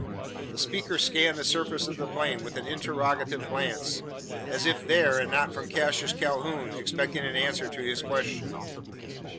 The speaker scanned the surface of the plain with an interrogative glance; as if there, and not from Cassius Calhoun, expecting an answer to his question.